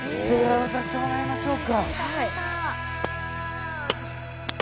手合わさせてもらいましょうか。